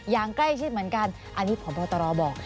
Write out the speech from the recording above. อย่างใกล้ชิดเหมือนกันอันนี้พบตรบอก